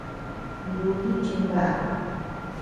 Ndudi chimbaʼam.